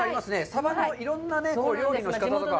サバのいろんな料理の仕方とか。